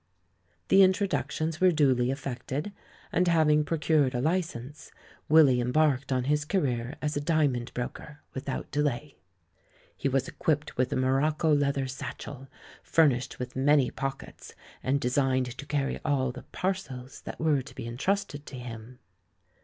The introductions were duly effected, and, having procured a licence, Willy embarked on his career as a diamond broker without delay. He was equipped with a morocco leather satchel, furnished with many pockets and designed to carry all the "parcels" that were to be entrusted to him.